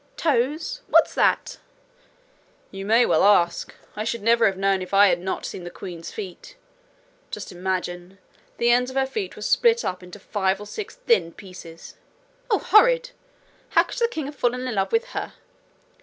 'Toes! What's that?' 'You may well ask! I should never have known if I had not seen the queen's feet. Just imagine! the ends of her feet were split up into five or six thin pieces!' 'Oh, horrid! How could the king have fallen in love with her?'